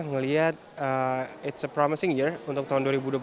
melihat it s a promising year untuk tahun dua ribu dua puluh dua